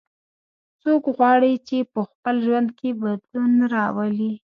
څوک غواړي چې په خپل ژوند کې بدلون راولي